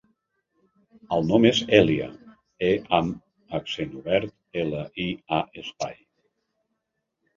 El nom és Èlia : e amb accent obert, ela, i, a, espai.